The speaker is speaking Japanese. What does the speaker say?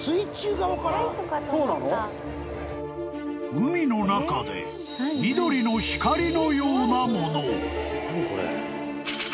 ［海の中で緑の光のようなもの］